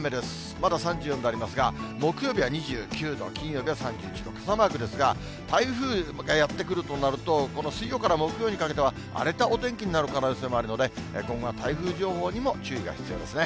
まだ３４度ありますが、木曜日は２９度、金曜日は３１度、傘マークですが、台風がやって来るとなると、この水曜から木曜にかけては、荒れたお天気になる可能性もあるので今後は台風情報にも注意が必要ですね。